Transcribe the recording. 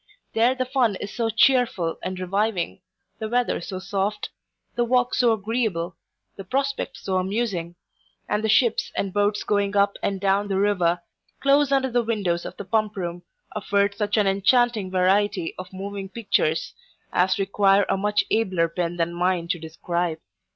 There the fun is so chearful and reviving; the weather so soft; the walk so agreeable; the prospect so amusing; and the ships and boats going up and down the river, close under the windows of the Pump room, afford such an enchanting variety of Moving Pictures, as require a much abler pen than mine to describe.